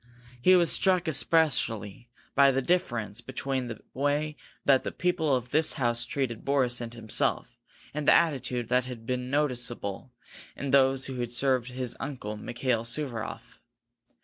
He was struck especially by the difference between the way that the people of this house treated Boris and himself, and the attitude that had been noticeable in those who had served his uncle, Mikail Suvaroff.